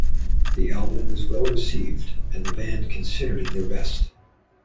The album was well received and the band considered it their best.